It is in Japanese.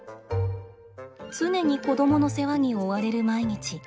常に子どもの世話に追われる毎日。